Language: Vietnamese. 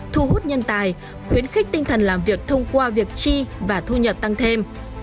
thu hút nhân tài khuyến khích tinh thần làm việc thông qua việc chi và thu nhập tăng thêm